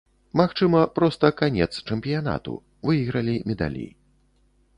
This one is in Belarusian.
Магчыма, проста канец чэмпіянату, выйгралі медалі.